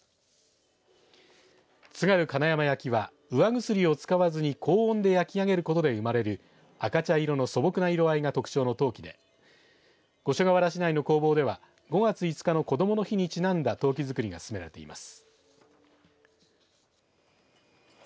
津軽金山焼は釉薬を使わずに高温で焼き上げることで生まれる赤茶色の素朴な色合いが特徴の陶器で五所川原市内の工房では５月５日のこどもの日にちなんだ陶器作りが進められています。